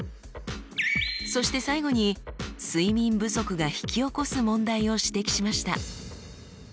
そして最後に睡眠不足が引き起こす問題を指摘しました。